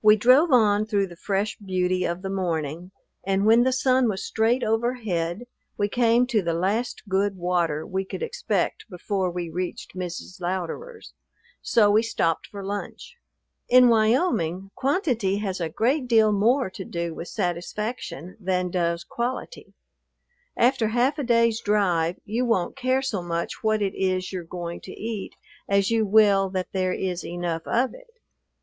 We drove on through the fresh beauty of the morning, and when the sun was straight overhead we came to the last good water we could expect before we reached Mrs. Louderer's; so we stopped for lunch. In Wyoming quantity has a great deal more to do with satisfaction than does quality; after half a day's drive you won't care so much what it is you're going to eat as you will that there is enough of it.